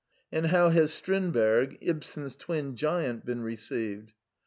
And how has Strind berg, Ibsen's twin giant, been received?